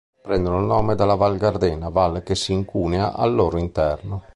Prendono il nome dalla Val Gardena, valle che si incunea al loro interno.